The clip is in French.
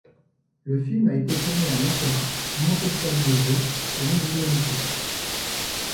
Le film a été tourné à Matera, Montescaglioso et Miglionico.